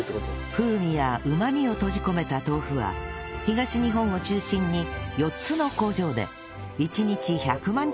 風味やうまみを閉じ込めた豆腐は東日本を中心に４つの工場で１日１００万丁製造されています